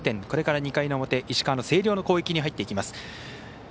これから２回の表石川の星稜の攻撃に入っていきます。